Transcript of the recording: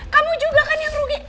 kamu juga kan yang rugi